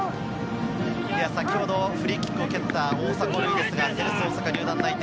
フリーキックを蹴った大迫塁ですが、セレッソ大阪に入団内定。